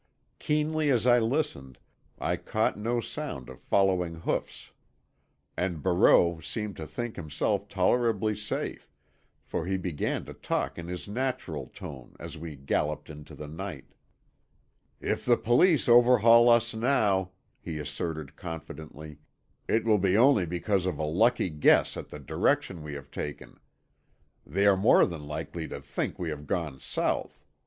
Keenly as I listened, I caught no sound of following hoofs. And Barreau seemed to think himself tolerably safe, for he began to talk in his natural tone as we galloped into the night. "If the Police overhaul us now," he asserted confidently, "it will be only because of a lucky guess at the direction we have taken. They are more than likely to think we have gone south.